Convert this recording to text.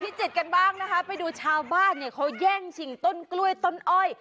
จิตกันบ้างนะคะไปดูชาวบ้านเนี่ยเขาแย่งชิงต้นกล้วยต้นอ้อย